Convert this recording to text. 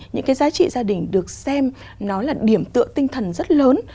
những cái giá trị gia đình được xem nó là điểm tựa tinh thần rất lớn